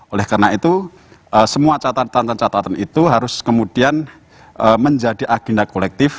oleh karena itu semua catatan catatan itu harus kemudian menjadi agenda kolektif